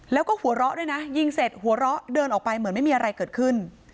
แล้วก็หัวเราะด้วยนะยิงเสร็จหัวเราะเดินออกไปเหมือนไม่มีอะไรเกิดขึ้น